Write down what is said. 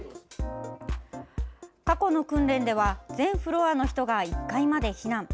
過去の訓練では全フロアの人が１階まで避難。